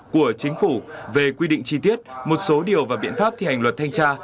của chính phủ về quy định chi tiết một số điều và biện pháp thi hành luật thanh tra